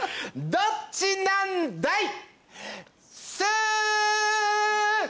どっちなんだい？